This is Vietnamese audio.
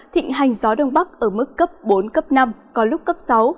thịnh hành gió đông bắc ở mức cấp bốn cấp năm có lúc cấp sáu